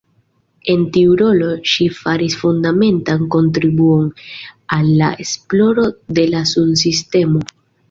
En tiu rolo, ŝi faris fundamentan kontribuon al la esploro de la sunsistemo.